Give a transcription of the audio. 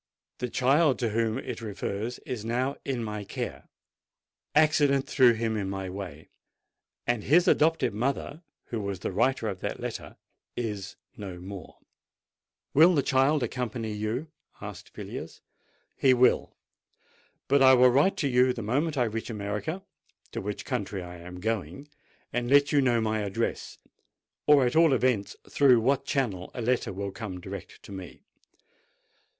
"The child to whom it refers is now in my care: accident threw him in my way—and his adopted mother, who was the writer of that letter, is no more." "Will the child accompany you?" asked Villiers. "He will. But I will write to you the moment I reach America—to which country I am going—and let you know my address, or at all events through what channel a letter will come direct to me.